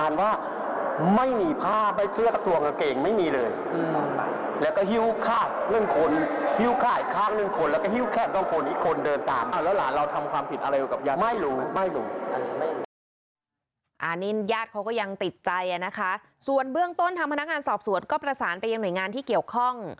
อันนี้ญาติเขาก็ยังติดใจนะคะส่วนเบื้องต้นทางพนักงานสอบสวนก็ประสานไปยังหน่วยงานที่เกี่ยวข้อง